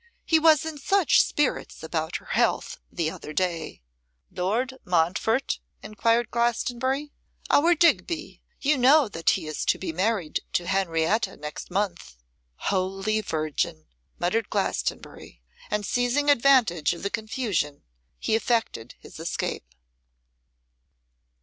He was in such spirits about her health the other day.' 'Lord Montfort?' enquired Glastonbury. 'Our Digby. You know that he is to be married to Henrietta next month.' 'Holy Virgin!' muttered Glastonbury; and, seizing advantage of the confusion, he effected his escape.